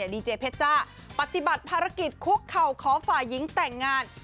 ดีเจเพชจ้าปฏิบัติภารกิจคุกเข่าขอฝ่ายหญิงแต่งงาน